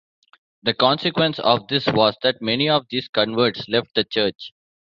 The consequence of this was that many of these converts left the Church.